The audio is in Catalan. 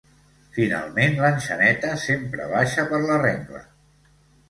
Finalment, l'enxaneta sempre baixa per la rengla.